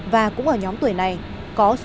và cũng ở nhóm tuổi này có số người lành